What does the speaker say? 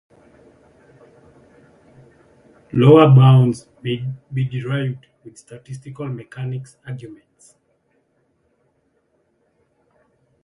Lower bounds may be derived with statistical mechanics arguments.